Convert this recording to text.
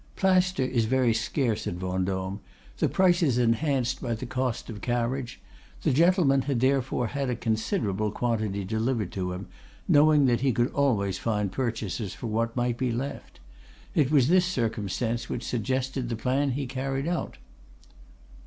Plaster is very scarce at Vendôme; the price is enhanced by the cost of carriage; the gentleman had therefore had a considerable quantity delivered to him, knowing that he could always find purchasers for what might be left. It was this circumstance which suggested the plan he carried out.